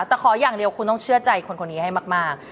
แต่ขออย่างเดียวคุณต้องเชื่อใจคนคนนี้ให้มาก